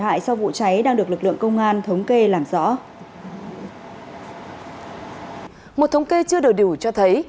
hại sau vụ cháy đang được lực lượng công an thống kê làm rõ một thống kê chưa đầy đủ cho thấy